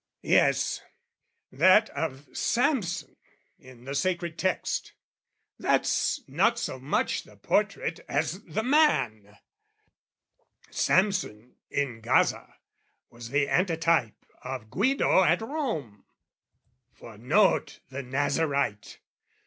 Yes, that of Samson in the Sacred Text: That's not so much the portrait as the man Samson in Gaza was the antetype Of Guido at Rome: for note the Nazarite!